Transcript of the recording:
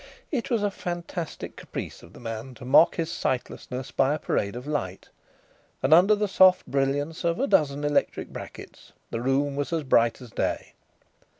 It was a fantastic caprice of the man to mock his sightlessness by a parade of light, and under the soft brilliance of a dozen electric brackets the room was as bright as day.